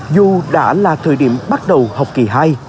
dù đã là thời điểm bắt đầu học kỳ hai